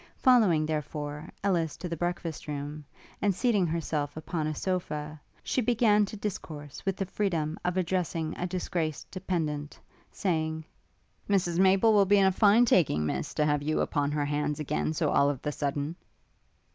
Following, therefore, Ellis to the breakfast room, and seating herself upon a sofa, she began to discourse with the freedom of addressing a disgraced dependent; saying, 'Mrs Maple will be in a fine taking, Miss, to have you upon her hands, again, so all of the sudden.'